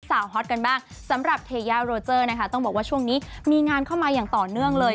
ฮอตกันบ้างสำหรับเทยาโรเจอร์นะคะต้องบอกว่าช่วงนี้มีงานเข้ามาอย่างต่อเนื่องเลย